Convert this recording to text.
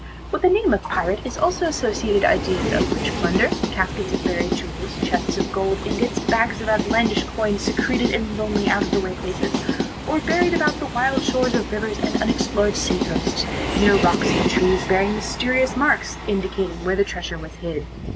With the name of pirate is also associated ideas of rich plunder, caskets of buried jewels, chests of gold ingots, bags of outlandish coins, secreted in lonely, out of the way places, or buried about the wild shores of rivers, and unexplored sea coasts, near rocks and trees bearing mysterious marks, indicating where the treasure was hid.